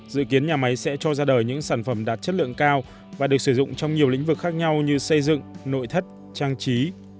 dự kiến nhà máy sẽ cho ra đời những sản phẩm đạt chất lượng cao và được sử dụng trong nhiều lĩnh vực khác nhau như xây dựng nội thất trang trí